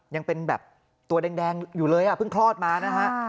ยังเป็นแบบตัวแดงอยู่เลยอ่ะเพิ่งคลอดมานะฮะ